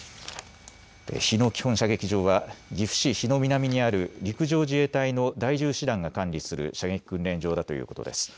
日野基本射撃場は岐阜市日野南にある陸上自衛隊の第１０師団が管理する射撃訓練場だということです。